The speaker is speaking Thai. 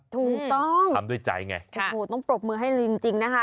ทำด้วยใจไงค่ะโอ้โหต้องปรบมือให้จริงนะคะ